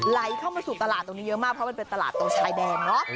ไหลเข้ามาสู่ตลาดตรงนี้เยอะมากเพราะมันเป็นตลาดตรงชายแดนเนาะ